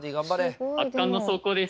圧巻の走行です！